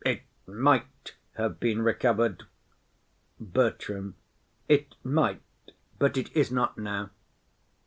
It might have been recovered. BERTRAM. It might, but it is not now.